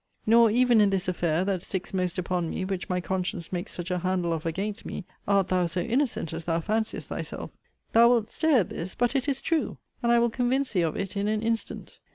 Nor even in this affair, that sticks most upon me, which my conscience makes such a handle of against me, art thou so innocent as thou fanciest thyself. Thou wilt stare at this: but it is true; and I will convince thee of it in an instant.